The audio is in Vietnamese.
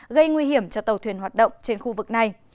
gây nguy hiểm cho tàu thuyền hoạt động trên khu vực này